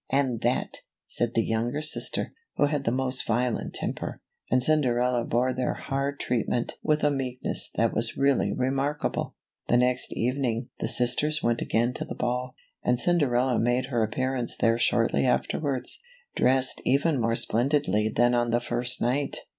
— and that!" said the younger sister, who had the most violent temper. And Cinderella bore their hard treatment with a meekness that was really remarkable. The next evening the sisters went again to the ball, and Cinderella made her appearance there shortly afterwards, dressed even more splendidly than on the first night.